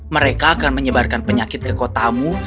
mereka akan menyebarkan penyakit ke kotamu